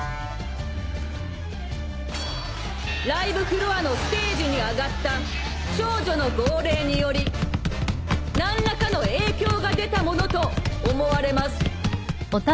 ライブフロアのステージに上がった少女の号令により何らかの影響が出たものと思われます。